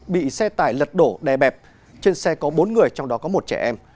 bị xe tải lật đổ đè bẹp trên xe có bốn người trong đó có một trẻ em